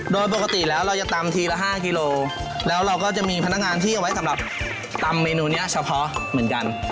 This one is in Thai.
โดยปกติแล้วเราจะตำทีละ๕กิโลแล้วเราก็จะมีพนักงานที่เอาไว้สำหรับตำเมนูนี้เฉพาะเหมือนกัน